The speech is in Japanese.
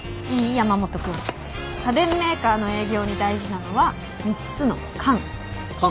山本君家電メーカーの営業に大事なのは３つの「感」「感」？